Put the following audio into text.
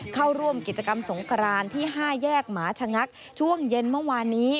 เข้าร่วมกิจกรรมสงกรานที่๕แยกหมาชะงักช่วงเย็นเมื่อวานนี้